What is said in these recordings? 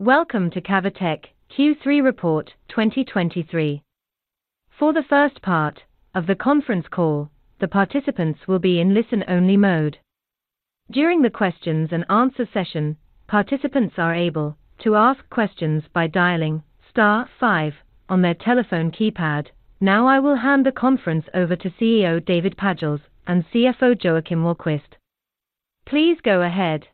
Welcome to Cavotec Q3 Report 2023. For the first part of the conference call, the participants will be in listen-only mode. During the questions and answer session, participants are able to ask questions by dialing star five on their telephone keypad. Now, I will hand the conference over to CEO, David Pagels, and CFO, Joakim Wahlquist. Please go ahead.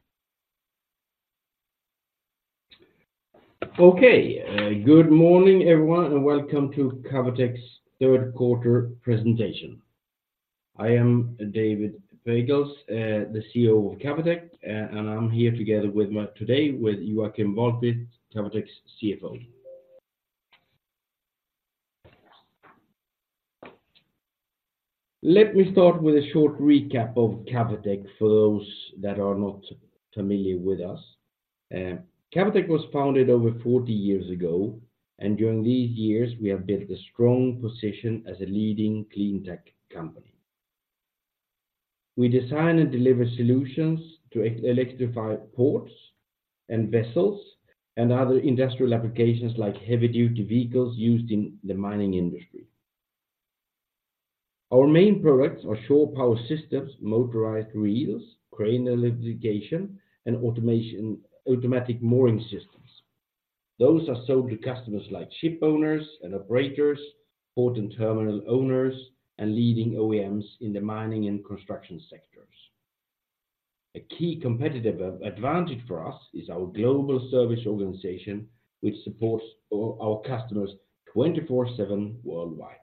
Okay, good morning, everyone, and welcome to Cavotec's third quarter presentation. I am David Pagels, the CEO of Cavotec, and I'm here together with my—today with Joakim Wahlquist, Cavotec's CFO. Let me start with a short recap of Cavotec for those that are not familiar with us. Cavotec was founded over 40 years ago, and during these years, we have built a strong position as a leading clean tech company. We design and deliver solutions to electrify ports and vessels and other industrial applications, like heavy-duty vehicles used in the mining industry. Our main products are shore power systems, motorized reels, crane electrification, and automation—automatic mooring systems. Those are sold to customers like shipowners and operators, port and terminal owners, and leading OEMs in the mining and construction sectors. A key competitive advantage for us is our global service organization, which supports all our customers 24/7 worldwide.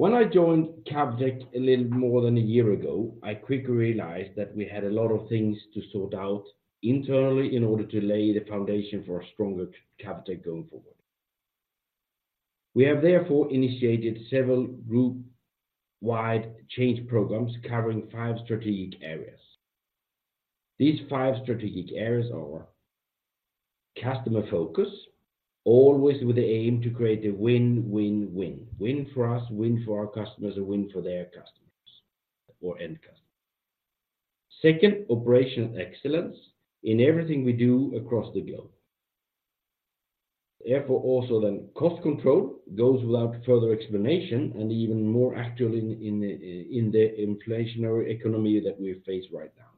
When I joined Cavotec a little more than a year ago, I quickly realized that we had a lot of things to sort out internally in order to lay the foundation for a stronger Cavotec going forward. We have therefore initiated several group-wide change programs covering five strategic areas. These five strategic areas are customer focus, always with the aim to create a win, win, win. Win for us, win for our customers, a win for their customers or end customers. Second, operational excellence in everything we do across the globe. Therefore, also then cost control goes without further explanation and even more actual in the inflationary economy that we face right now.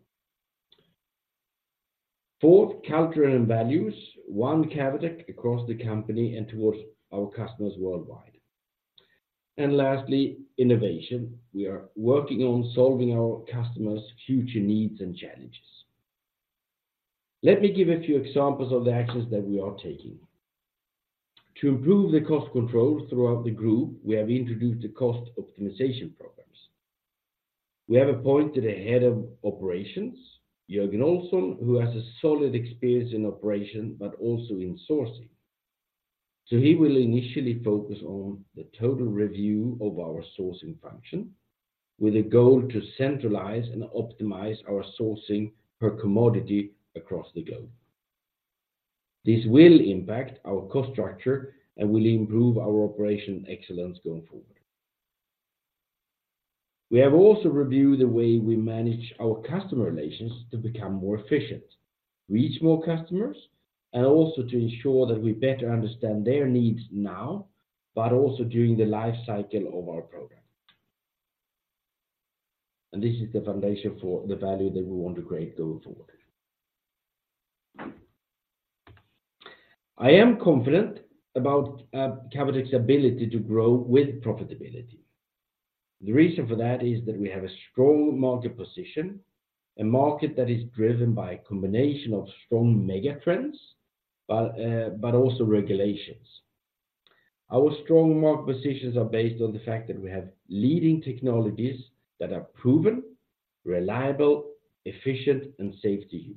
Fourth, culture and values. One Cavotec across the company and towards our customers worldwide. And lastly, innovation. We are working on solving our customers' future needs and challenges. Let me give a few examples of the actions that we are taking. To improve the cost control throughout the group, we have introduced the cost optimization programs. We have appointed a head of operations, Jörgen Ohlsson, who has a solid experience in operation, but also in sourcing. So he will initially focus on the total review of our sourcing function with a goal to centralize and optimize our sourcing per commodity across the globe. This will impact our cost structure and will improve our operational excellence going forward. We have also reviewed the way we manage our customer relations to become more efficient, reach more customers, and also to ensure that we better understand their needs now, but also during the life cycle of our program. This is the foundation for the value that we want to create going forward. I am confident about Cavotec's ability to grow with profitability. The reason for that is that we have a strong market position, a market that is driven by a combination of strong megatrends, but also regulations. Our strong market positions are based on the fact that we have leading technologies that are proven, reliable, efficient, and safe to use.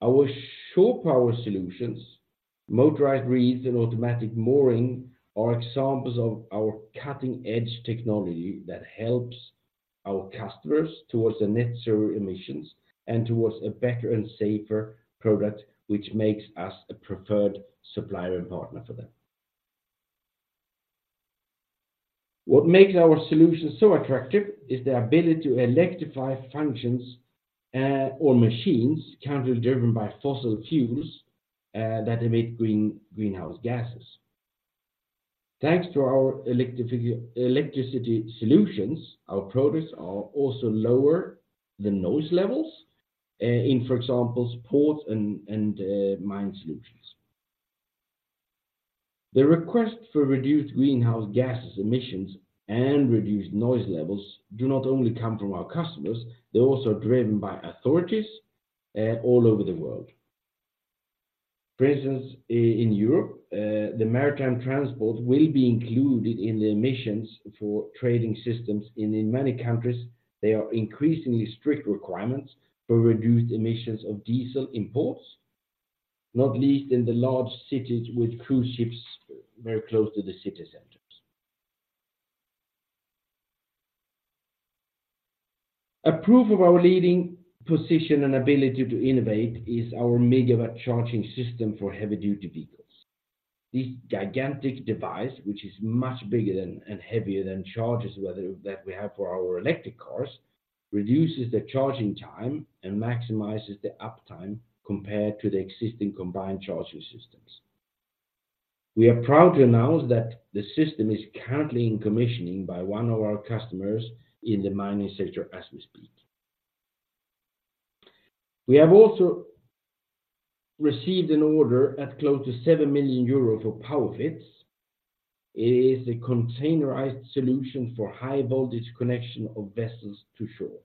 Our Shore Power solutions, motorized reels, and automatic mooring are examples of our cutting-edge technology that helps our customers towards the Net Zero Emissions and towards a better and safer product, which makes us a preferred supplier and partner for them. What makes our solutions so attractive is the ability to electrify functions or machines currently driven by fossil fuels that emit greenhouse gases. Thanks to our electricity solutions, our products are also lower the noise levels, for example, in ports and mine solutions. The request for reduced greenhouse gases emissions and reduced noise levels do not only come from our customers, they're also driven by authorities all over the world. For instance, in Europe, the maritime transport will be included in the emissions trading systems, and in many countries, there are increasingly strict requirements for reduced emissions of diesel in ports, not least in the large cities with cruise ships very close to the city centers. A proof of our leading position and ability to innovate is our Megawatt Charging System for heavy-duty vehicles. This gigantic device, which is much bigger than, and heavier than chargers, whether that we have for our electric cars, reduces the charging time and maximizes the uptime compared to the existing Combined Charging Systems. We are proud to announce that the system is currently in commissioning by one of our customers in the mining sector as we speak. We have also received an order at close to seven million euro for PowerFit. It is a containerized solution for high voltage connection of vessels to shore.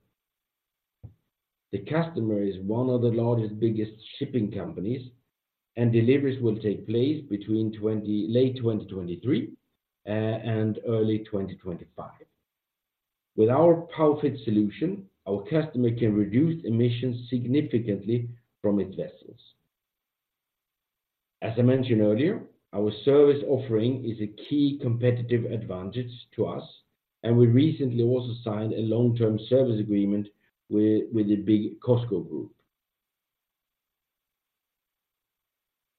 The customer is one of the largest, biggest shipping companies, and deliveries will take place between late 2023 and early 2025. With our PowerFit solution, our customer can reduce emissions significantly from its vessels. As I mentioned earlier, our service offering is a key competitive advantage to us, and we recently also signed a long-term service agreement with the big COSCO Group.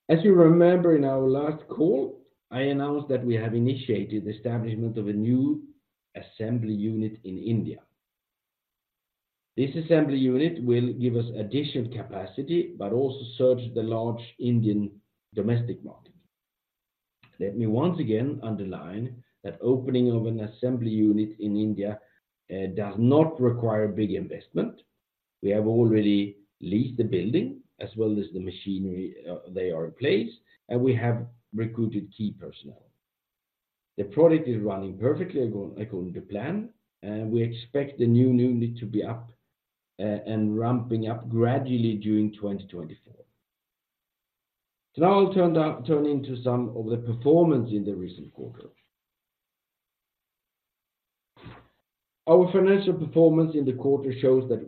As you remember, in our last call, I announced that we have initiated the establishment of a new assembly unit in India. This assembly unit will give us additional capacity, but also serve the large Indian domestic market. Let me once again underline that opening of an assembly unit in India does not require a big investment. We have already leased the building as well as the machinery. They are in place, and we have recruited key personnel. The project is running perfectly according to plan, and we expect the new unit to be up and ramping up gradually during 2024. So now I'll turn to some of the performance in the recent quarter. Our financial performance in the quarter shows that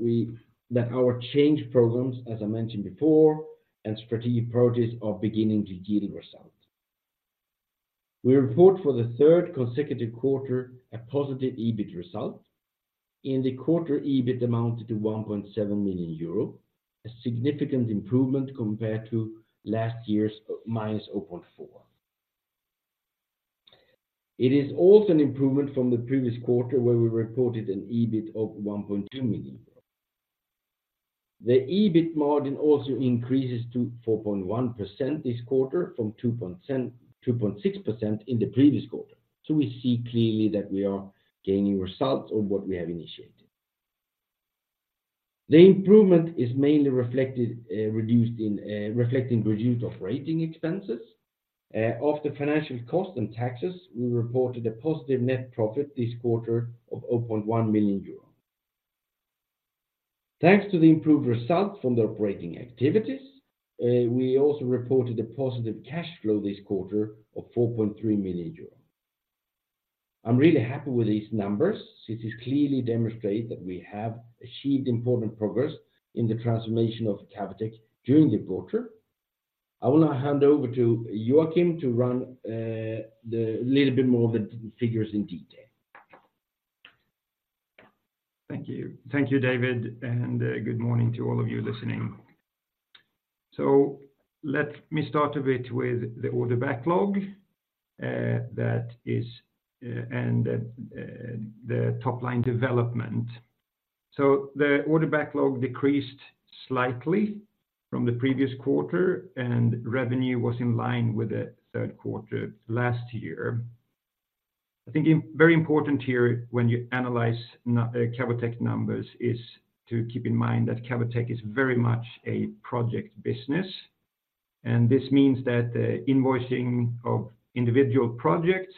that our change programs, as I mentioned before, and strategic approaches, are beginning to yield results. We report for the third consecutive quarter, a positive EBIT result. In the quarter, EBIT amounted to 1.7 million euro, a significant improvement compared to last year's -0.4 million. It is also an improvement from the previous quarter, where we reported an EBIT of 1.2 million. The EBIT margin also increases to 4.1% this quarter from 2.6% in the previous quarter. So we see clearly that we are gaining results on what we have initiated. The improvement is mainly reflected in reduced operating expenses of the financial costs and taxes, we reported a positive net profit this quarter of 0.1 million euro. Thanks to the improved results from the operating activities, we also reported a positive cash flow this quarter of 4.3 million euros. I'm really happy with these numbers, since it clearly demonstrate that we have achieved important progress in the transformation of Cavotec during the quarter. I will now hand over to Joakim to run the little bit more of the figures in detail. Thank you. Thank you, David, and good morning to all of you listening. So let me start a bit with the order backlog, that is, and the top line development. So the order backlog decreased slightly from the previous quarter, and revenue was in line with the third quarter last year. I think, I'm very important here when you analyze Cavotec numbers, is to keep in mind that Cavotec is very much a project business, and this means that the invoicing of individual projects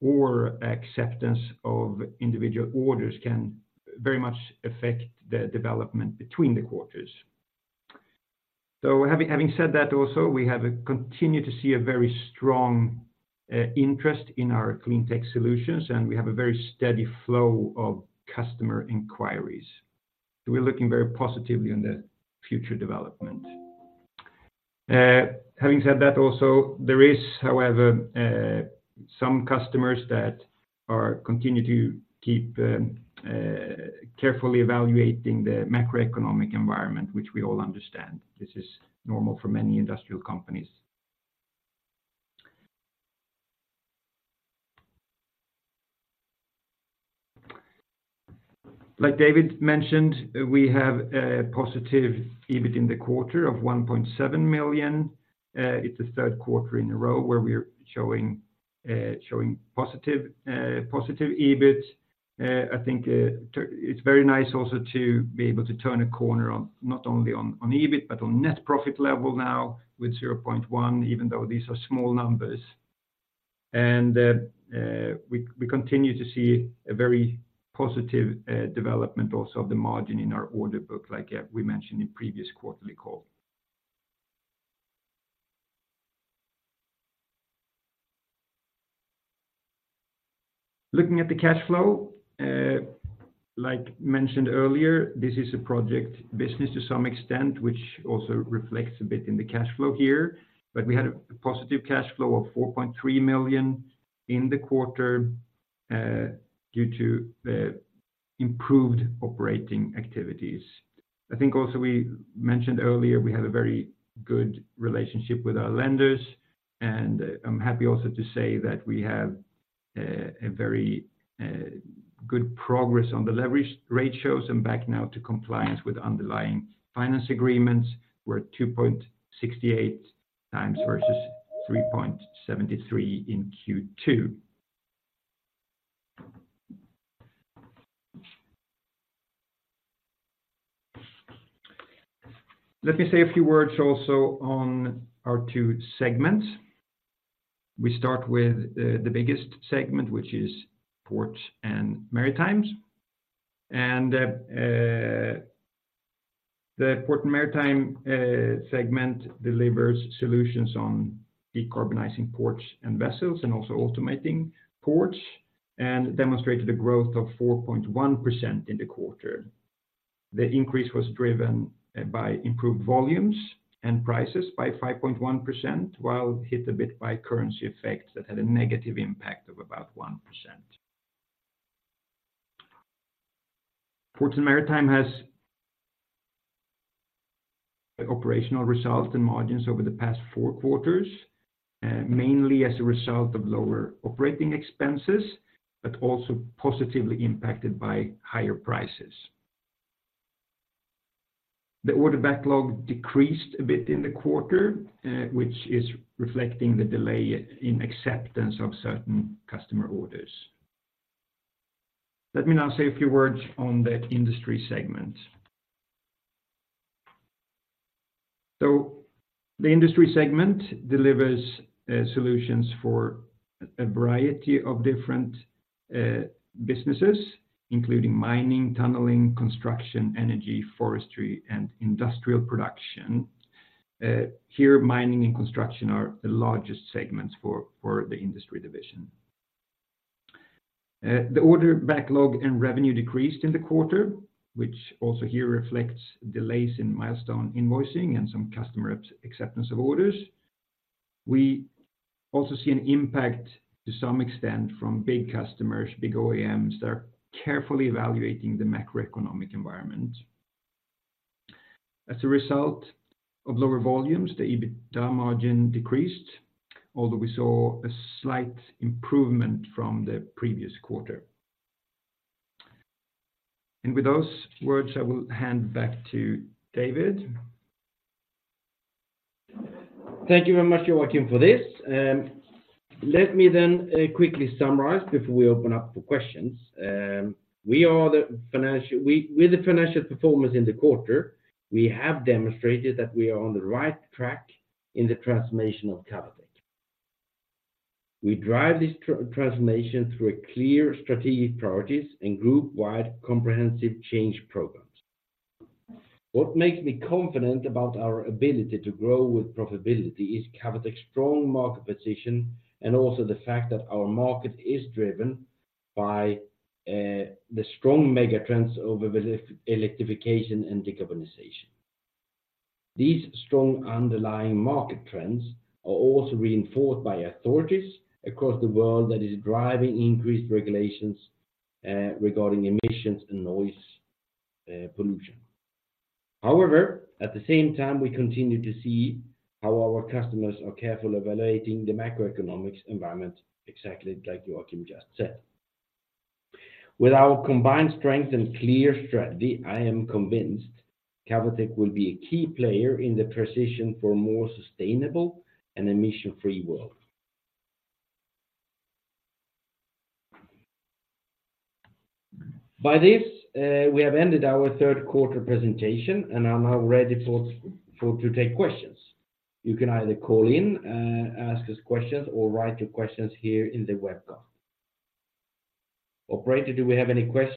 or acceptance of individual orders can very much affect the development between the quarters. So having said that, also, we have continued to see a very strong interest in our clean tech solutions, and we have a very steady flow of customer inquiries. So we're looking very positively on the future development. Having said that, also, there is, however, some customers that are continue to keep carefully evaluating the macroeconomic environment, which we all understand. This is normal for many industrial companies. Like David mentioned, we have a positive EBIT in the quarter of 1.7 million. It's the third quarter in a row where we are showing positive EBIT. I think, it's very nice also to be able to turn a corner on, not only on EBIT, but on net profit level now with 0.1 million, even though these are small numbers. We continue to see a very positive development also of the margin in our order book, like we mentioned in previous quarterly call. Looking at the cash flow, like mentioned earlier, this is a project business to some extent, which also reflects a bit in the cash flow here, but we had a positive cash flow of 4.3 million in the quarter, due to the improved operating activities. I think also we mentioned earlier, we have a very good relationship with our lenders, and I'm happy also to say that we have a very good progress on the leverage ratios, and back now to compliance with underlying finance agreements, we're at 2.68 times versus 3.73 in Q2. Let me say a few words also on our two segments. We start with the biggest segment, which is ports and maritimes. The Ports and Maritime segment delivers solutions on decarbonizing ports and vessels, and also automating ports, and demonstrated a growth of 4.1% in the quarter. The increase was driven by improved volumes and prices by 5.1%, while hit a bit by currency effects that had a negative impact of about 1%. Ports and Maritime has operational results and margins over the past four quarters, mainly as a result of lower operating expenses, but also positively impacted by higher prices. The order backlog decreased a bit in the quarter, which is reflecting the delay in acceptance of certain customer orders. Let me now say a few words on the Industry segment. The Industry segment delivers solutions for a variety of different businesses, including mining, tunneling, construction, energy, forestry, and industrial production. Here, mining and construction are the largest segments for the industry division. The order backlog and revenue decreased in the quarter, which also here reflects delays in milestone invoicing and some customer acceptance of orders. We also see an impact to some extent from big customers, big OEMs, that are carefully evaluating the macroeconomic environment. As a result of lower volumes, the EBITDA margin decreased, although we saw a slight improvement from the previous quarter. And with those words, I will hand back to David. Thank you very much, Joakim, for this. Let me then quickly summarize before we open up for questions. With the financial performance in the quarter, we have demonstrated that we are on the right track in the transformation of Cavotec. We drive this transformation through a clear strategic priorities and group-wide comprehensive change programs. What makes me confident about our ability to grow with profitability is Cavotec's strong market position, and also the fact that our market is driven by the strong megatrends over the electrification and decarbonization. These strong underlying market trends are also reinforced by authorities across the world that is driving increased regulations regarding emissions and noise, pollution. However, at the same time, we continue to see how our customers are carefully evaluating the macroeconomics environment, exactly like Joakim just said. With our combined strength and clear strategy, I am convinced Cavotec will be a key player in the precision for a more sustainable and emission-free world. By this, we have ended our third quarter presentation, and I'm now ready to take questions. You can either call in and ask us questions or write your questions here in the webcam. Operator, do we have any questions?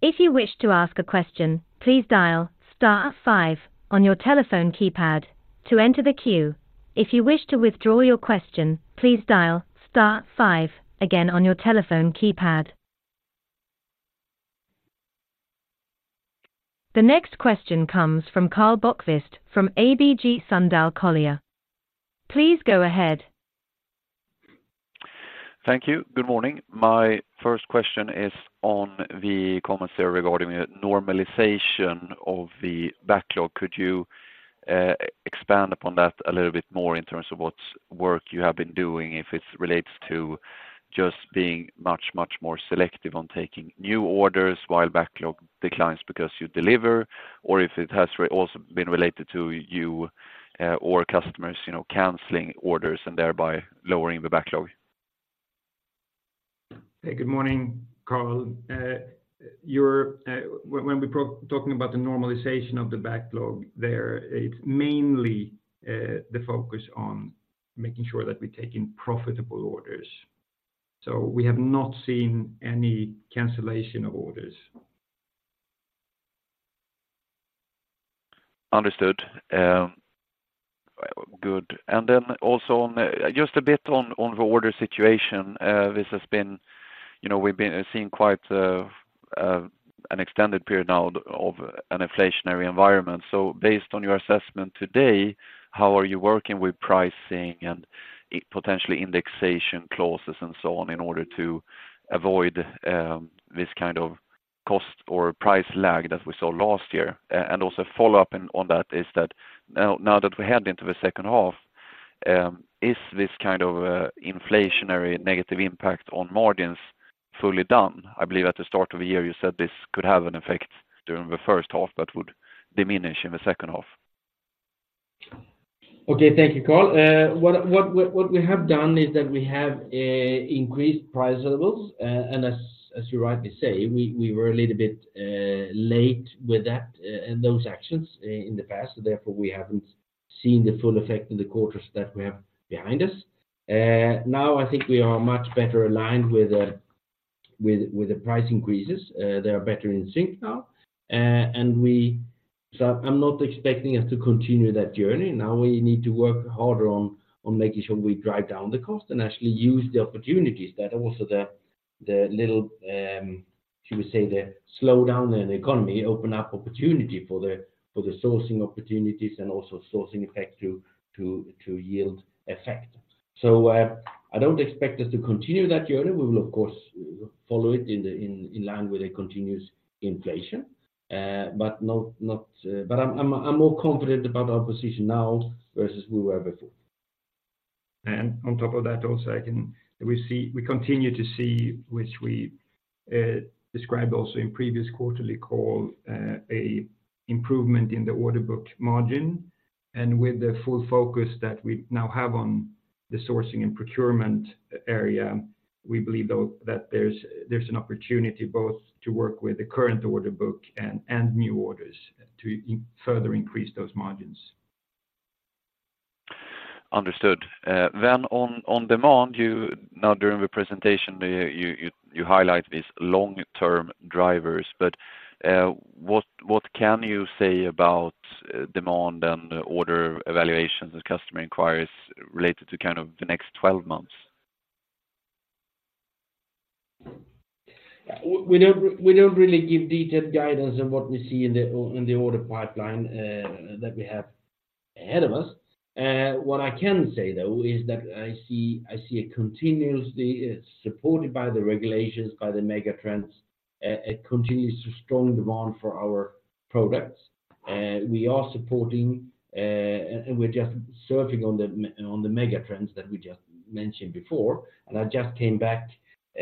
If you wish to ask a question, please dial star five on your telephone keypad to enter the queue. If you wish to withdraw your question, please dial star five again on your telephone keypad. The next question comes from Karl Bokvist from ABG Sundal Collier. Please go ahead. Thank you. Good morning. My first question is on the commentary regarding the normalization of the backlog. Could you expand upon that a little bit more in terms of what work you have been doing, if it relates to just being much, much more selective on taking new orders while backlog declines because you deliver, or if it has also been related to you or customers, you know, canceling orders and thereby lowering the backlog? Hey, good morning, Karl. When we're talking about the normalization of the backlog there, it's mainly the focus on making sure that we're taking profitable orders. So we have not seen any cancellation of orders. Understood, good. And then also on the order situation, this has been, you know, we've been seeing quite an extended period now of an inflationary environment. So based on your assessment today, how are you working with pricing and potentially indexation clauses and so on in order to avoid this kind of cost or price lag that we saw last year? And also, follow up on that: now that we head into the second half, is this kind of inflationary negative impact on margins fully done? I believe at the start of the year, you said this could have an effect during the first half, but would diminish in the second half. Okay, thank you, Karl. What we have done is that we have increased price levels. And as you rightly say, we were a little bit late with that, those actions in the past, therefore, we haven't seen the full effect in the quarters that we have behind us. Now, I think we are much better aligned with the price increases. They are better in sync now. And so I'm not expecting us to continue that journey. Now, we need to work harder on making sure we drive down the cost and actually use the opportunities that also the little, should we say, the slowdown in the economy, open up opportunity for the sourcing opportunities and also sourcing effect to yield effect. So, I don't expect us to continue that journey. We will, of course, follow it in line with a continuous inflation, but not... But I'm more confident about our position now versus we were before. And on top of that, also, we see, we continue to see, which we described also in previous quarterly call, an improvement in the order book margin. And with the full focus that we now have on the sourcing and procurement area, we believe, though, that there's an opportunity both to work with the current order book and new orders to further increase those margins. Understood. Then on demand, now during the presentation, you highlight these long-term drivers, but what can you say about demand and order evaluations and customer inquiries related to kind of the next 12 months? We don't really give detailed guidance on what we see in the order pipeline that we have ahead of us. What I can say, though, is that I see a continuously supported by the regulations, by the mega trends, a continuous strong demand for our products. We are supporting and we're just surfing on the mega trends that we just mentioned before. And I just came back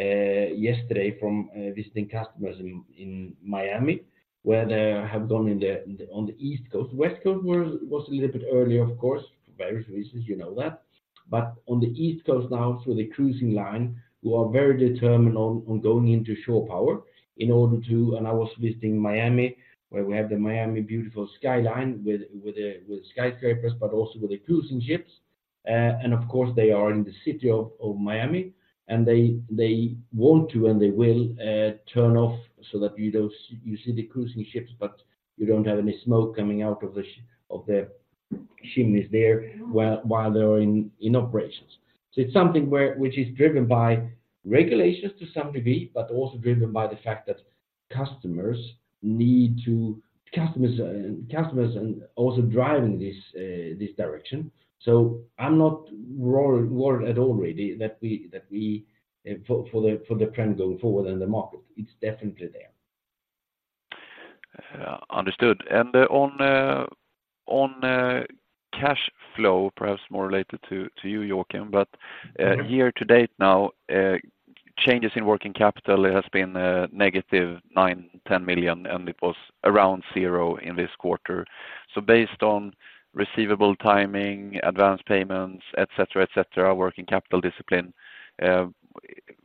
yesterday from visiting customers in Miami, where they have gone in on the East Coast. West Coast was a little bit earlier, of course, for various reasons, you know that. But on the East Coast now, for the cruising line, we are very determined on, on going into shore power in order to-- And I was visiting Miami, where we have the Miami beautiful skyline with, with the, with skyscrapers, but also with the cruising ships. And of course, they are in the city of, of Miami, and they, they want to, and they will, turn off so that you don't, you see the cruising ships, but you don't have any smoke coming out of the of the chimneys there while, while they are in, in operations. So it's something where, which is driven by regulations to some degree, but also driven by the fact that customers need to, customers, customers are also driving this, this direction. So I'm not worried at all really that we for the trend going forward in the market. It's definitely there. Understood. And on cash flow, perhaps more related to you, Joakim, but- Mm-hmm... year to date now, changes in working capital, it has been negative 9-10 million, and it was around 0 in this quarter. So based on receivable timing, advanced payments, et cetera, et cetera, working capital discipline,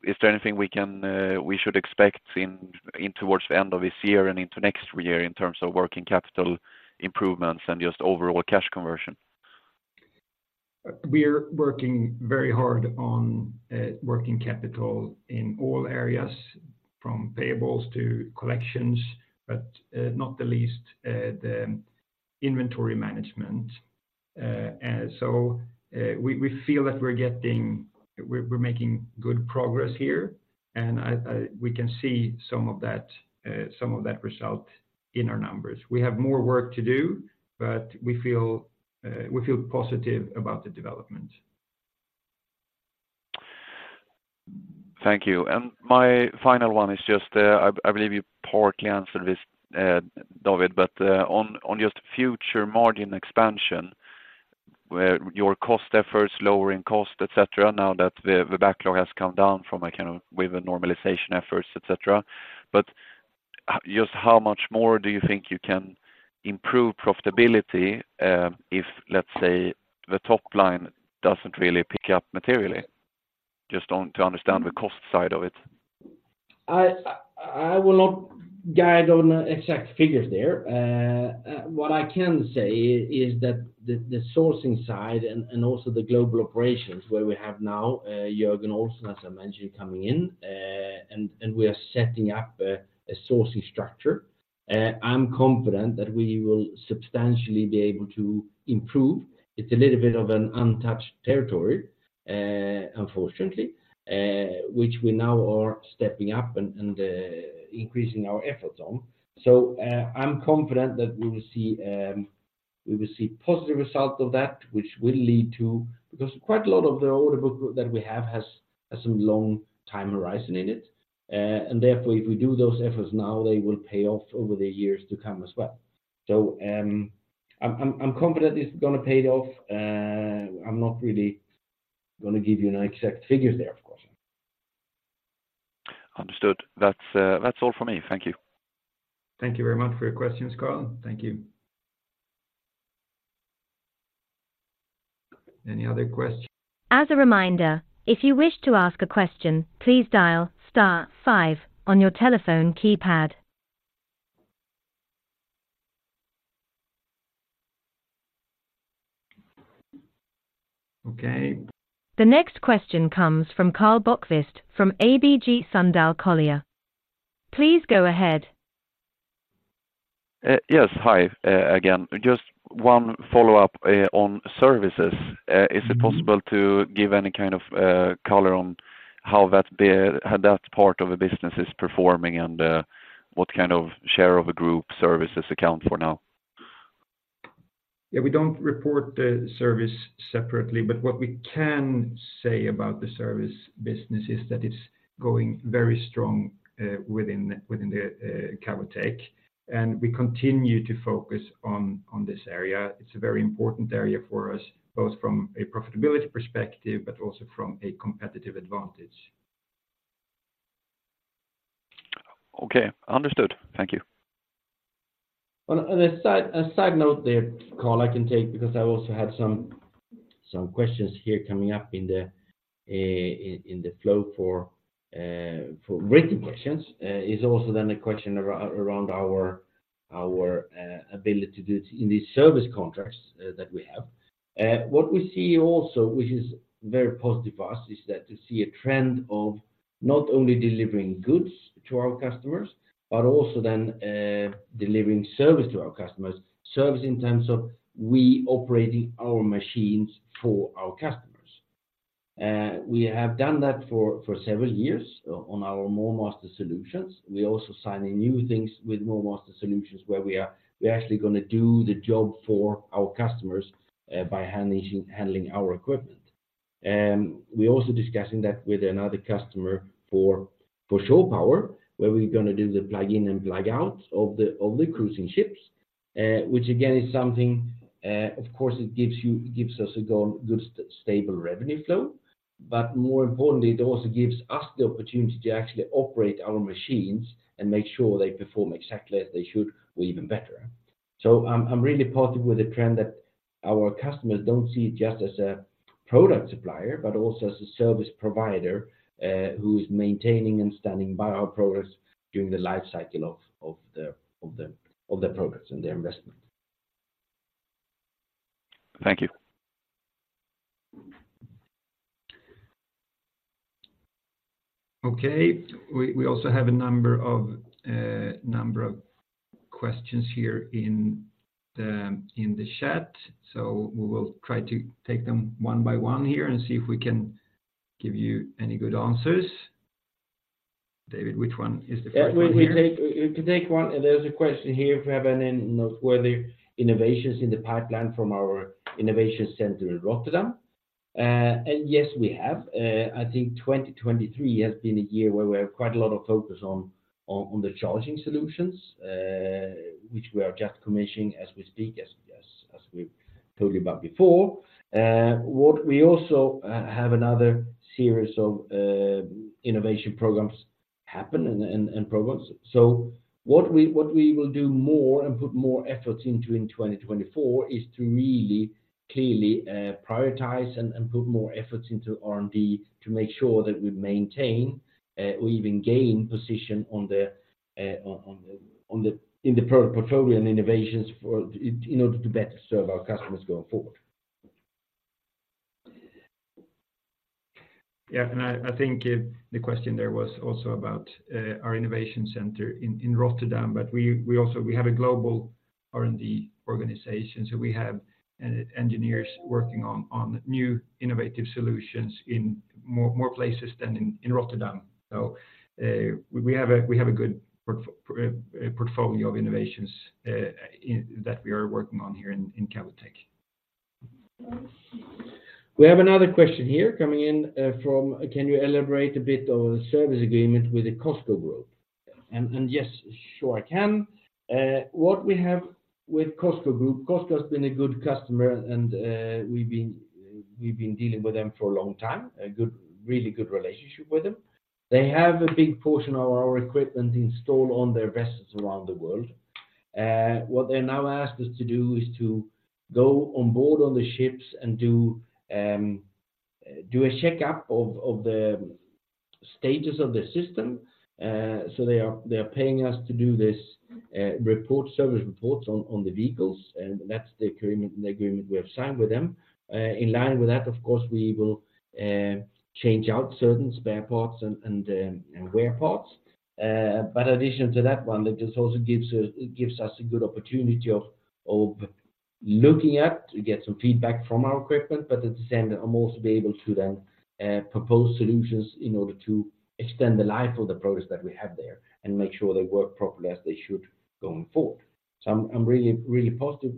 is there anything we can, we should expect in towards the end of this year and into next year in terms of working capital improvements and just overall cash conversion? We are working very hard on working capital in all areas, from payables to collections, but not the least, the inventory management. So, we feel that we're making good progress here, and we can see some of that result in our numbers. We have more work to do, but we feel positive about the development. Thank you. My final one is just, I believe you partly answered this, David, but on just future margin expansion, where your cost efforts, lowering cost, et cetera, now that the backlog has come down from a kind of with the normalization efforts, et cetera. Just how much more do you think you can improve profitability, if let's say, the top line doesn't really pick up materially? Just on to understand the cost side of it. I will not guide on the exact figures there. What I can say is that the sourcing side and also the global operations, where we have now Jörgen Ohlsson, as I mentioned, coming in, and we are setting up a sourcing structure. I'm confident that we will substantially be able to improve. It's a little bit of an untouched territory, unfortunately, which we now are stepping up and increasing our efforts on. So, I'm confident that we will see, we will see positive results of that, which will lead to... Because quite a lot of the order book that we have has some long-time horizon in it. And therefore, if we do those efforts now, they will pay off over the years to come as well. So, I'm confident it's gonna pay off. I'm not really gonna give you an exact figures there, of course. Understood. That's, that's all for me. Thank you. Thank you very much for your questions, Karl. Thank you. Any other questions? As a reminder, if you wish to ask a question, please dial star five on your telephone keypad. Okay. The next question comes from Karl Bokvist, from ABG Sundal Collier. Please go ahead. Yes, hi, again, just one follow-up on services. Is it possible to give any kind of color on how that part of the business is performing and what kind of share of a group services account for now? Yeah, we don't report the service separately, but what we can say about the service business is that it's going very strong within Cavotec, and we continue to focus on this area. It's a very important area for us, both from a profitability perspective, but also from a competitive advantage. Okay, understood. Thank you. Well, on a side note there, Karl, I can take, because I've also had some questions here coming up in the flow for written questions, is also then a question around our ability to do in these service contracts that we have. What we see also, which is very positive for us, is that to see a trend of not only delivering goods to our customers, but also then delivering service to our customers. Service in terms of we operating our machines for our customers. We have done that for several years on our MoorMaster solutions. We also signing new things with MoorMaster solutions, where we are, we're actually gonna do the job for our customers by handling our equipment. We're also discussing that with another customer for shore power, where we're gonna do the plug in and plug out of the cruising ships, which again, is something, of course, it gives you, gives us a good, stable revenue flow, but more importantly, it also gives us the opportunity to actually operate our machines and make sure they perform exactly as they should or even better. So I'm really positive with the trend that our customers don't see it just as a product supplier, but also as a service provider, who's maintaining and standing by our products during the life cycle of the products and the investment. Thank you. Okay. We also have a number of questions here in the chat, so we will try to take them one by one here and see if we can give you any good answers. David, which one is the first one here? Yeah, we can take one, and there's a question here if we have any noteworthy innovations in the pipeline from our innovation center in Rotterdam. And yes, we have. I think 2023 has been a year where we have quite a lot of focus on the charging solutions, which we are just commissioning as we speak, as we've told you about before. What we also have another series of innovation programs happen and progress. So what we, what we will do more and put more efforts into in 2024, is to really clearly prioritize and put more efforts into R&D to make sure that we maintain or even gain position on the, on, on the, in the port- portfolio and innovations for, in order to better serve our customers going forward. Yeah, and I think the question there was also about our innovation center in Rotterdam, but we also have a global R&D organization, so we have engineers working on new innovative solutions in more places than in Rotterdam. So, we have a good portfolio of innovations that we are working on here in Cavotec. We have another question here coming in from: Can you elaborate a bit on the service agreement with the COSCO Group? Yes, sure I can. What we have with COSCO Group, COSCO has been a good customer, and we've been dealing with them for a long time, a good, really good relationship with them. They have a big portion of our equipment installed on their vessels around the world. What they now asked us to do is to go on board on the ships and do a checkup of the status of the system. So they are paying us to do this, service reports on the vehicles, and that's the agreement we have signed with them. In line with that, of course, we will change out certain spare parts and wear parts. But addition to that one, it just also gives us, it gives us a good opportunity of looking at to get some feedback from our equipment, but at the same time, also be able to then propose solutions in order to extend the life of the products that we have there and make sure they work properly as they should going forward. So I'm really, really positive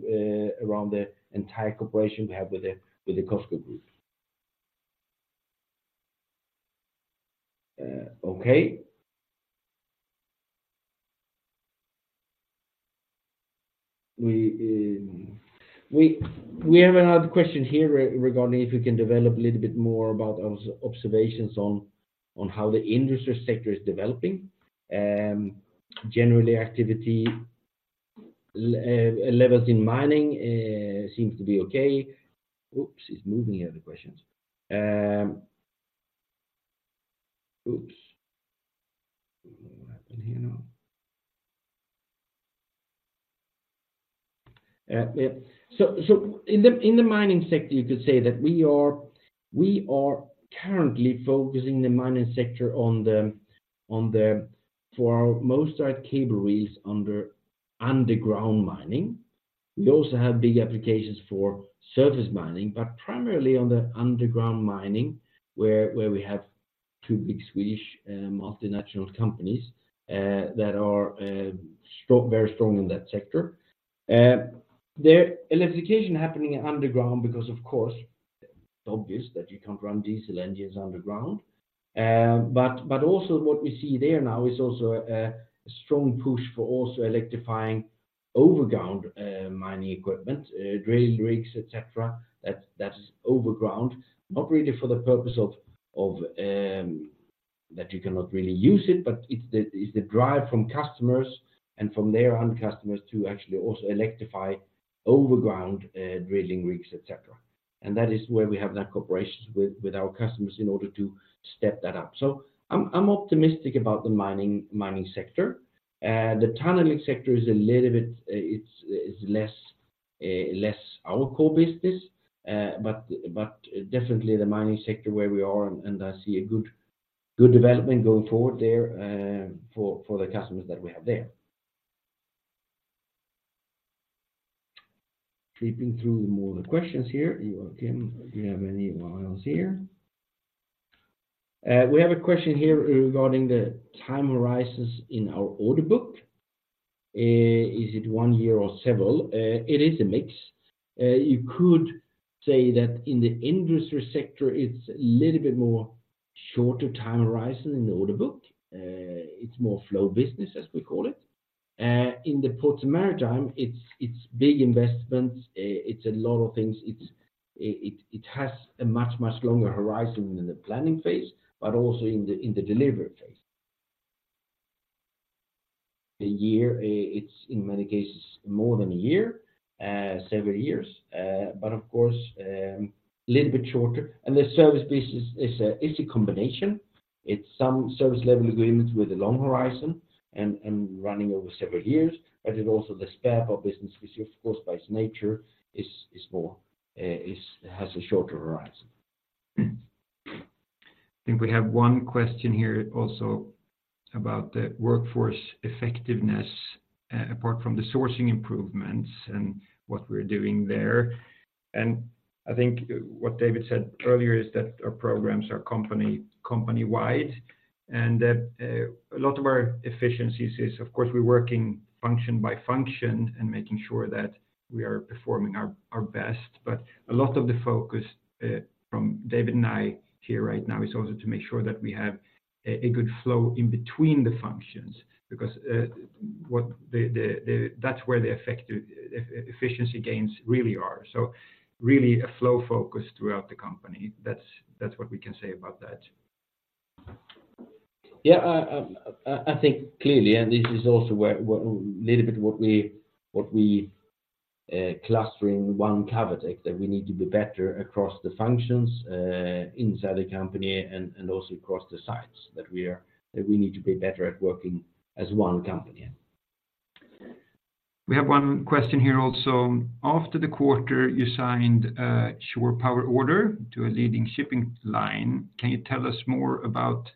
around the entire cooperation we have with the COSCO Group. Okay. We have another question here regarding if you can develop a little bit more about observations on how the industry sector is developing. Generally, activity levels in mining seems to be okay. Yeah, so in the mining sector, you could say that we are currently focusing on our motor cable reels for underground mining. We also have big applications for surface mining, but primarily on the underground mining, where we have two big Swedish multinational companies that are strong, very strong in that sector. There's electrification happening underground because, of course, obvious that you can't run diesel engines underground. But also what we see there now is also a strong push for also electrifying overground mining equipment, drill rigs, et cetera. That is overground, not really for the purpose of that you cannot really use it, but it's the drive from customers and from their own customers to actually also electrify overground drilling rigs, et cetera. And that is where we have that cooperation with our customers in order to step that up. So I'm optimistic about the mining sector. The tunneling sector is a little bit less our core business. But definitely the mining sector where we are, and I see a good development going forward there for the customers that we have there. Creeping through more of the questions here. You, Kim, do you have any more else here? We have a question here regarding the time horizons in our order book. Is it one year or several? It is a mix. You could say that in the industry sector, it's a little bit more shorter time horizon in the order book. It's more flow business, as we call it. In the ports and maritime, it's big investments, it's a lot of things. It has a much, much longer horizon than the planning phase, but also in the delivery phase. A year, it's in many cases more than a year, several years, but of course little bit shorter. The service business is a combination. It's some service level agreements with a long horizon and running over several years. But it also the spare part business, which of course by its nature is more has a shorter horizon. I think we have one question here also about the workforce effectiveness, apart from the sourcing improvements and what we're doing there. I think what David said earlier is that our programs are company-wide, and that a lot of our efficiencies is, of course, we're working function by function and making sure that we are performing our best. But a lot of the focus from David and I here right now is also to make sure that we have a good flow in between the functions, because that's where the efficiency gains really are. So really a flow focus throughout the company. That's what we can say about that. Yeah, I think clearly, and this is also where, what, a little bit what we, what we, clustering one Cavotec, that we need to be better across the functions, inside the company and, and also across the sites that we are, that we need to be better at working as one company. We have one question here also. After the quarter, you signed a shore power order to a leading shipping line. Can you tell us more about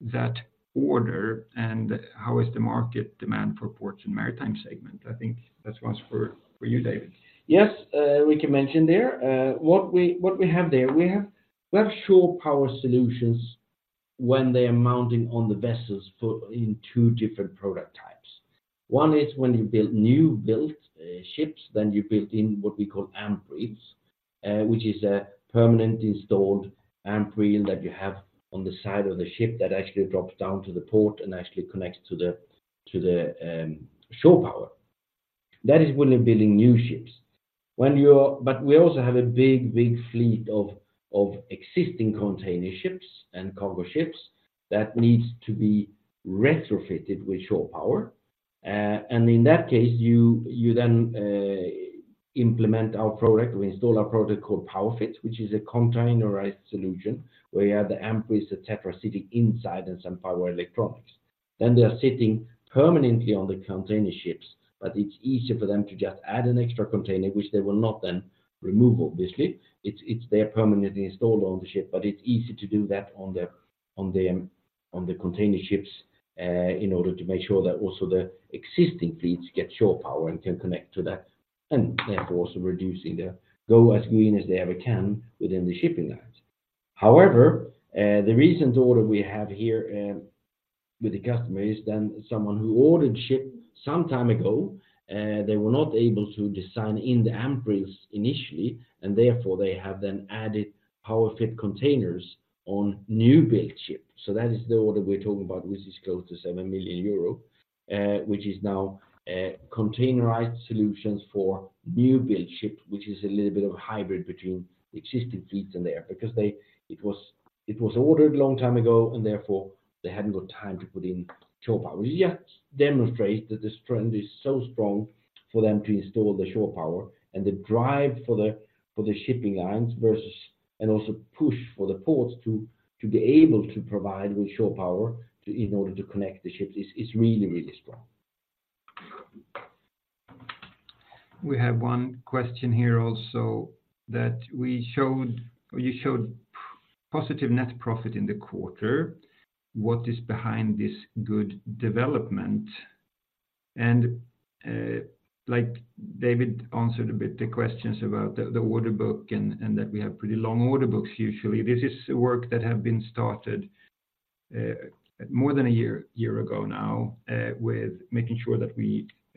that order, and how is the market demand for ports and maritime segment? I think that one's for, for you, David. Yes, we can mention there, what we, what we have there. We have, we have Shore Power solutions when they are mounting on the vessels for in two different product types. One is when you build new built ships, then you build in what we call AMP reels, which is a permanently installed AMP reel that you have on the side of the ship that actually drops down to the port and actually connects to the, to the, Shore Power. That is when you're building new ships. When you are-- but we also have a big, big fleet of, of existing container ships and cargo ships that needs to be retrofitted with Shore Power. And in that case, you, you then, implement our product. We install our product called PowerFit, which is a containerized solution, where you have the AMP reels, et cetera, sitting inside and some power electronics. Then they are sitting permanently on the container ships, but it's easier for them to just add an extra container, which they will not then remove obviously. It's there permanently installed on the ship, but it's easy to do that on the container ships in order to make sure that also the existing fleets get Shore Power and can connect to that, and therefore also reducing the go as green as they ever can within the shipping lines. However, the recent order we have here... with the customers, then someone who ordered ship some time ago, they were not able to design in the AMP initially, and therefore they have then added PowerFit containers on new-built ships. So that is the order we're talking about, which is close to 7 million euro, which is now containerized solutions for new-built ships, which is a little bit of a hybrid between existing fleets in there. Because it was ordered a long time ago, and therefore they hadn't got time to put in shore power. We just demonstrate that this trend is so strong for them to install the shore power and the drive for the shipping lines versus, and also push for the ports to be able to provide with shore power to, in order to connect the ships is really, really strong. We have one question here also that we showed, or you showed positive net profit in the quarter. What is behind this good development? And, like David answered a bit the questions about the order book, and that we have pretty long order books usually. This is work that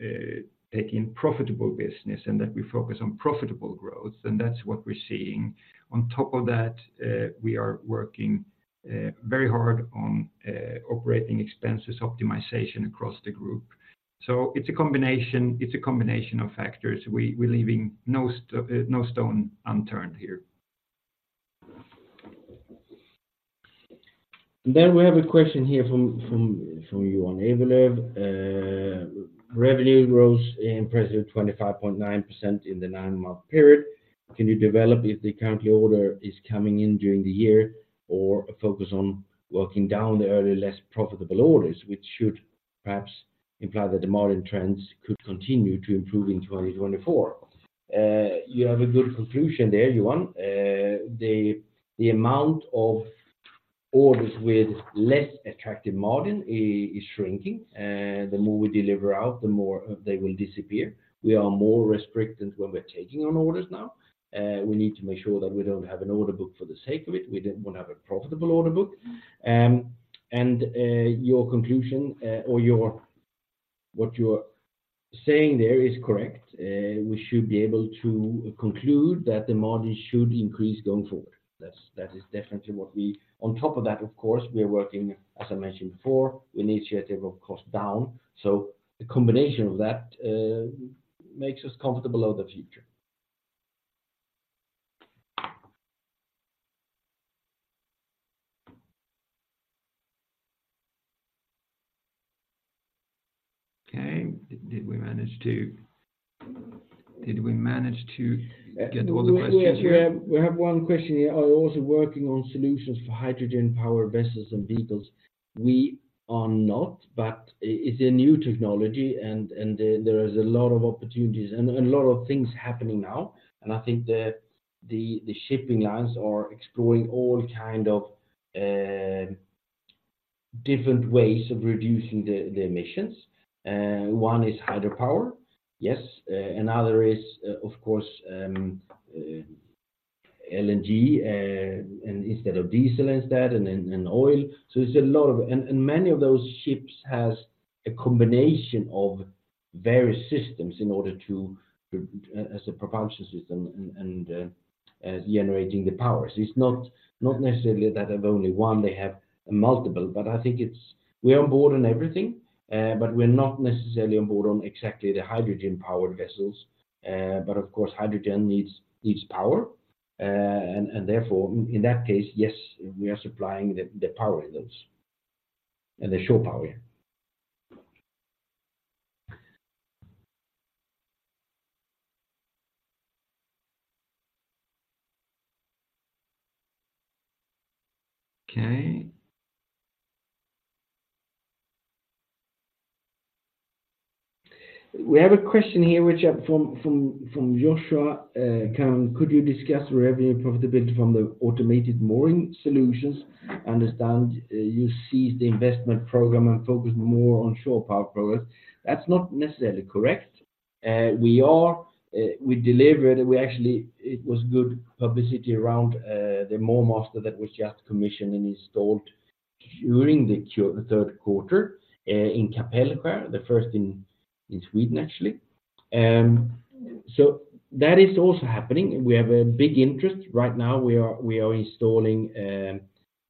have been started more than a year, a year ago now, with making sure that we take in profitable business and that we focus on profitable growth, and that's what we're seeing. On top of that, we are working very hard on operating expenses optimization across the group. So it's a combination, it's a combination of factors. We're leaving no stone unturned here. Then we have a question here from uncertain. An impressive revenue growth of 25.9% in the nine-month period. Can you develop if the current order is coming in during the year or a focus on working down the earlier, less profitable orders, which should perhaps imply that the margin trends could continue to improve in 2024? You have a good conclusion there, Johan. The amount of orders with less attractive margin is shrinking. The more we deliver out, the more they will disappear. We are more restricted when we're taking on orders now. We need to make sure that we don't have an order book for the sake of it. We want to have a profitable order book. Your conclusion, what you're saying there is correct. We should be able to conclude that the margin should increase going forward. That's, that is definitely what we... On top of that, of course, we are working, as I mentioned before, initiative of cost down. So the combination of that makes us comfortable about the future. Okay, did we manage to get all the questions? We have one question here. Are you also working on solutions for hydrogen-powered vessels and vehicles? We are not, but it's a new technology and there is a lot of opportunities and a lot of things happening now. And I think the shipping lines are exploring all kind of different ways of reducing the emissions. One is hydropower. Yes, another is, of course, LNG, and instead of diesel instead, and then, and oil. So it's a lot of and many of those ships has a combination of various systems in order to as a propulsion system and as generating the power. So it's not necessarily that they've only one; they have multiple, but I think it's, we're on board on everything, but we're not necessarily on board on exactly the hydrogen-powered vessels. But of course, hydrogen needs power, and therefore, in that case, yes, we are supplying the power in those and the shore power. Okay. We have a question here, which are from, from, from, uncertain Could you discuss revenue profitability from the automated mooring solutions? Understand, you ceased the investment program and focus more on shore power products. That's not necessarily correct. We are, we delivered, we actually, it was good publicity around, the MoorMaster that was just commissioned and installed during the third quarter, in Kapellskär, the first in, in Sweden, actually. That is also happening, and we have a big interest. Right now, we are, we are installing,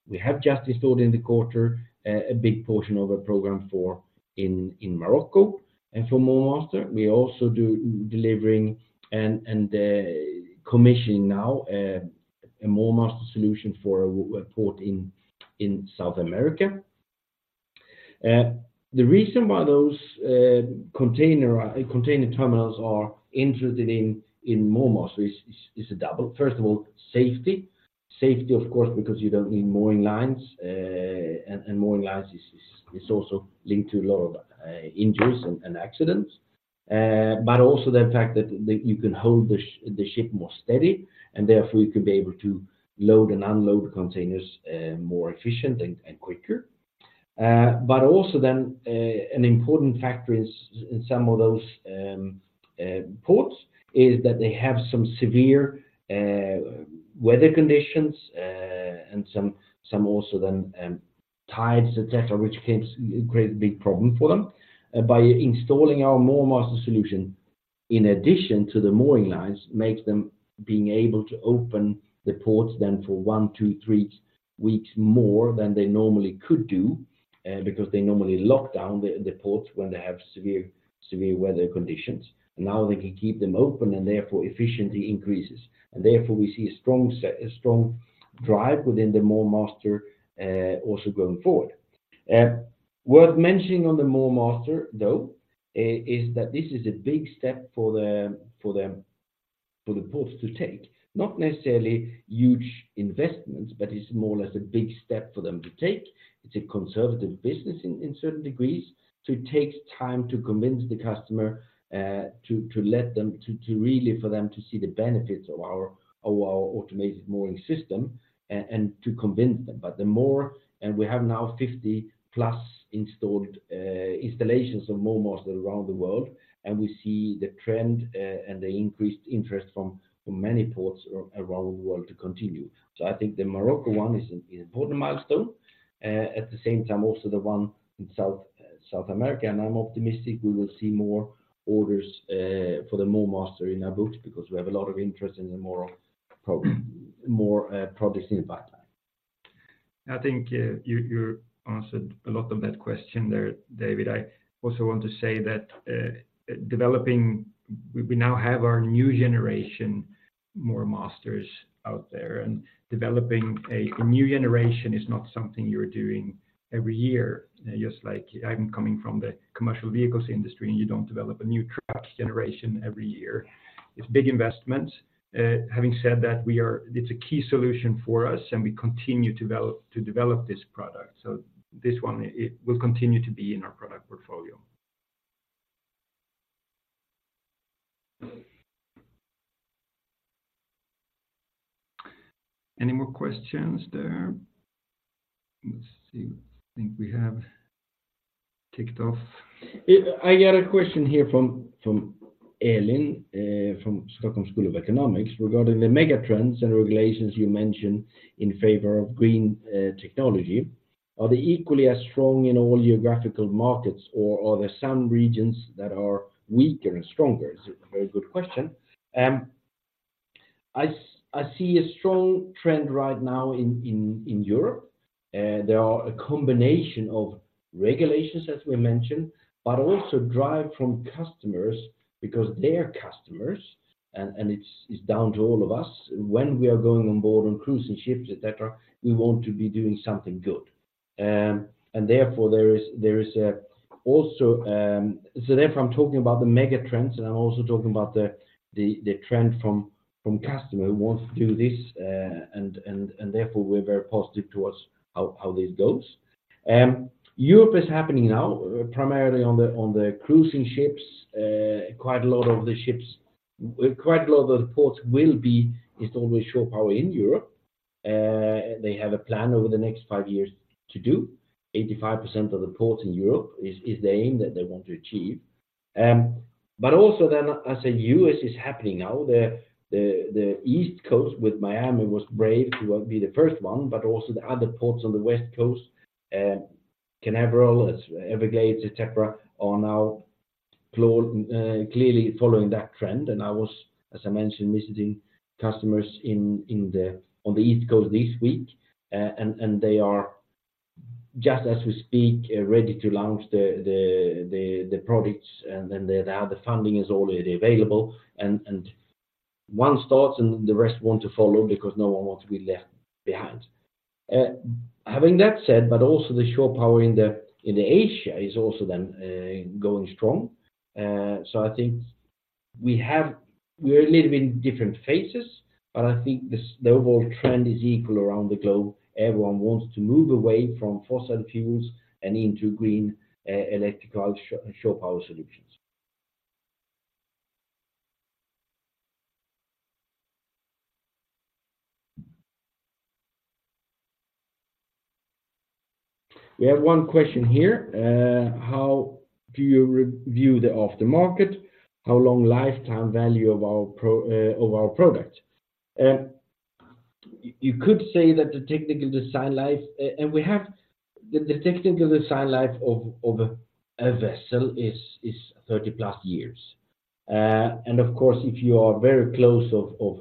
we have just installed in the quarter, a big portion of a program for in, in Morocco and for MoorMaster. We also do delivering and, and, commissioning now, a MoorMaster solution for a port in, in South America. The reason why those container terminals are interested in MoorMaster is a double. First of all, safety. Safety, of course, because you don't need mooring lines, and mooring lines is also linked to a lot of injuries and accidents. But also the fact that you can hold the ship more steady, and therefore you could be able to load and unload the containers more efficient and quicker. But also then an important factor is, in some of those ports, is that they have some severe weather conditions, and some also then tides, etc., which can create a big problem for them. By installing our MoorMaster solution in addition to the mooring lines, makes them being able to open the ports then for one, two, three weeks more than they normally could do, because they normally lock down the ports when they have severe, severe weather conditions. Now they can keep them open and therefore efficiency increases. Therefore, we see a strong drive within the MoorMaster also going forward. Worth mentioning on the MoorMaster, though, is that this is a big step for the ports to take. Not necessarily huge investments, but it's more or less a big step for them to take. It's a conservative business in certain degrees. It takes time to convince the customer to let them really see the benefits of our automated mooring system and to convince them. But the more, and we have now 50+ installed installations of MoorMaster around the world, and we see the trend and the increased interest from many ports around the world to continue. So I think the Morocco one is an important milestone. At the same time, also the one in South America, and I'm optimistic we will see more orders for the MoorMaster in our books because we have a lot of interest in the MoorMaster products in the pipeline. I think, you answered a lot of that question there, David. I also want to say that, developing, we now have our new generation MoorMasters out there, and developing a new generation is not something you're doing every year. Just like I'm coming from the commercial vehicles industry, and you don't develop a new truck generation every year. It's big investments. Having said that, we are, it's a key solution for us, and we continue to develop this product. So this one, it will continue to be in our product portfolio. Any more questions there? Let's see. I think we have ticked off. I got a question here from Elin from Stockholm School of Economics, regarding the megatrends and regulations you mentioned in favor of green technology. Are they equally as strong in all geographical markets, or are there some regions that are weaker and stronger? It's a very good question. I see a strong trend right now in Europe. There are a combination of regulations, as we mentioned, but also drive from customers because their customers, and it's down to all of us, when we are going on board on cruise and ships, et cetera, we want to be doing something good. And therefore, there is also a... So therefore, I'm talking about the megatrends, and I'm also talking about the trend from customer who wants to do this, and therefore, we're very positive towards how this goes. Europe is happening now, primarily on the cruising ships. Quite a lot of the ships, quite a lot of the ports will be installed with shore power in Europe. They have a plan over the next five years to do 85% of the ports in Europe is the aim that they want to achieve. But also then the U.S. is happening now, the East Coast with Miami was brave to be the first one, but also the other ports on the West Coast, Canaveral, Everglades, et cetera, are now clearly following that trend. I was, as I mentioned, visiting customers on the East Coast this week, and they are just as we speak, ready to launch the products, and then they have the funding is already available, and one starts, and the rest want to follow because no one wants to be left behind. Having that said, but also the shore power in Asia is also then going strong. So I think we're a little bit in different phases, but I think the overall trend is equal around the globe. Everyone wants to move away from fossil fuels and into green electrical shore power solutions. We have one question here. How do you review the after market? How long lifetime value of our products? You could say that the technical design life, and we have the technical design life of a vessel is 30-plus years. And of course, if you are very close to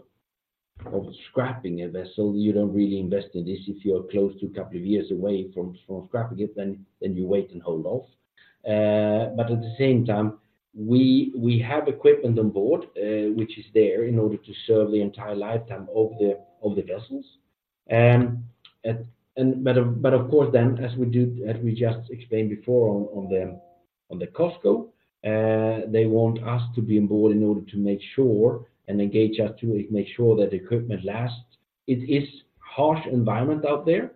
scrapping a vessel, you don't really invest in this. If you're close to a couple of years away from scrapping it, then you wait and hold off. But at the same time, we have equipment on board, which is there in order to serve the entire lifetime of the vessels. But of course, then, as we just explained before on the COSCO, they want us to be on board in order to make sure and engage us to make sure that the equipment lasts. It is harsh environment out there,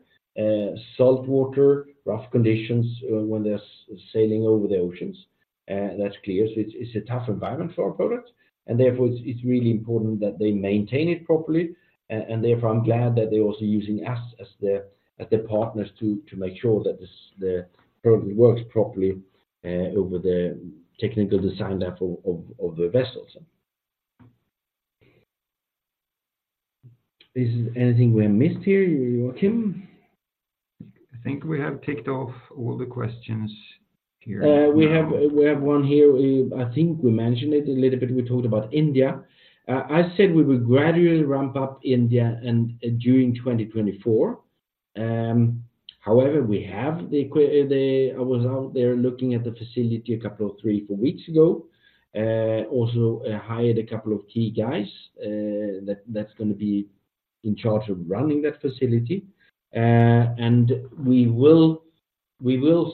saltwater, rough conditions, when they're sailing over the oceans, that's clear. So it's, it's a tough environment for our products, and therefore, it's, it's really important that they maintain it properly, and, and therefore, I'm glad that they're also using us as their, as their partners to, to make sure that this, the product works properly, over the technical design therefore, of, of the vessels.... Is there anything we have missed here, Joakim? I think we have ticked off all the questions here now. We have one here. I think we mentioned it a little bit, we talked about India. I said we will gradually ramp up India and during 2024. However, I was out there looking at the facility a couple of three, four weeks ago, also hired a couple of key guys that that's gonna be in charge of running that facility. And we will, we will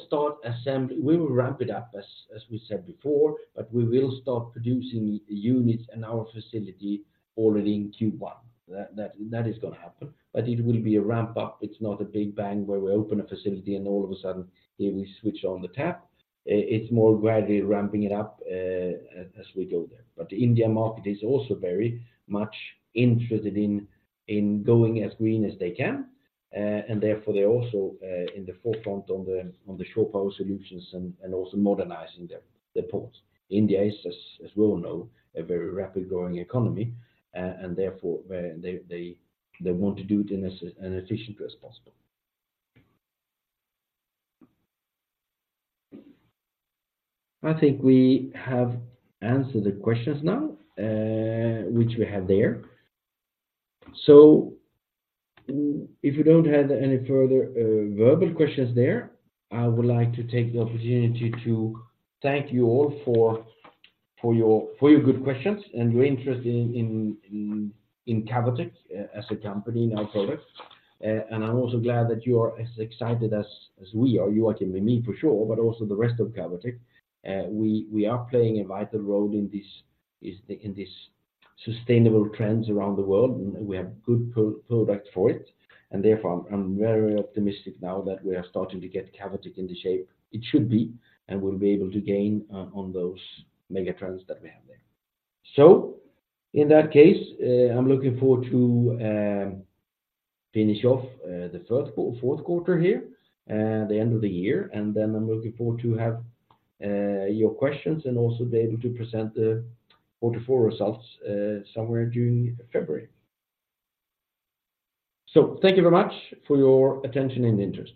ramp it up as, as we said before, but we will start producing the units in our facility already in Q1. That, that, that is gonna happen, but it will be a ramp up. It's not a big bang where we open a facility and all of a sudden, we switch on the tap. It's more gradually ramping it up as we go there. But the India market is also very much interested in going as green as they can, and therefore they're also in the forefront on the shore power solutions and also modernizing their ports. India is, as we all know, a very rapidly growing economy, and therefore they want to do it in as efficiently as possible. I think we have answered the questions now, which we have there. So if you don't have any further verbal questions there, I would like to take the opportunity to thank you all for your good questions and your interest in Cavotec as a company, in our products. And I'm also glad that you are as excited as we are. You are, Joakim, and me for sure, but also the rest of Cavotec. We are playing a vital role in this sustainable trends around the world, and we have good products for it, and therefore, I'm very optimistic now that we are starting to get Cavotec into shape it should be, and we'll be able to gain on those mega trends that we have there. So in that case, I'm looking forward to finish off the fourth quarter here, the end of the year, and then I'm looking forward to have your questions and also be able to present the 44 results somewhere during February. So thank you very much for your attention and interest.